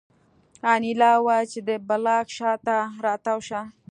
انیلا وویل چې د بلاک شا ته را تاو شه